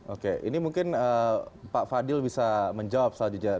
oke ini mungkin pak fadil bisa menjawab soal jadwal